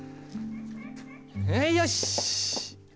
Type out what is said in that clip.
よし！